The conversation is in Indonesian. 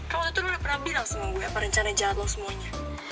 kalo itu lo udah pernah bilang sama gue apa rencana yang jalan lo semuanya